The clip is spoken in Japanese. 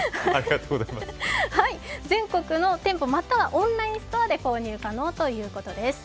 全国の店舗またはオンラインストアで購入可能ということです。